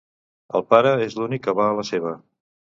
El pare és l'únic que va a la seva.